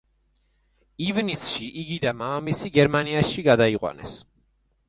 ივნისში იგი და მამამისი გერმანიაში გადაიყვანეს.